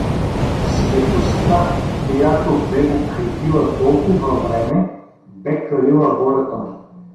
Светостта, която бе го крепила толкова време, бе калила волята му.